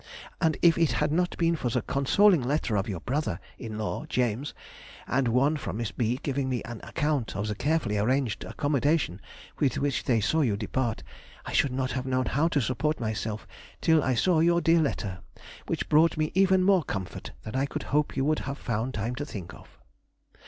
And if it had not been for the consoling letter of your brother [in law] James, and one from Miss B. giving me an account of the carefully arranged accommodation with which they saw you depart, I should not have known how to support myself till I saw your dear letter, which brought me even more comfort than I could hope you would have found time to think of....